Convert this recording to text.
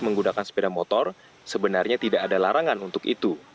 menggunakan sepeda motor sebenarnya tidak ada larangan untuk itu